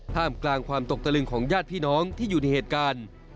กลางความตกตะลึงของญาติพี่น้องที่อยู่ในเหตุการณ์